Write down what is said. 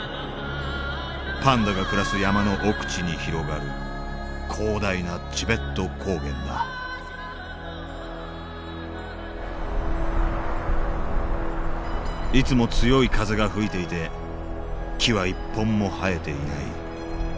パンダが暮らす山の奥地に広がる広大なチベット高原だいつも強い風が吹いていて木は一本も生えていない。